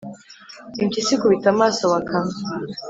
impyisi ikubita amaso bakame